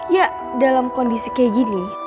ya dalam kondisi kayak gini